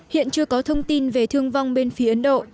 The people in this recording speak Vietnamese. hiện chưa có thông tin về thương vong bên phía ấn độ